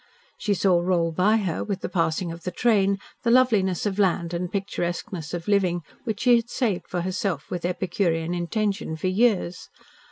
She saw roll by her, with the passing of the train, the loveliness of land and picturesqueness of living which she had saved for herself with epicurean intention for years.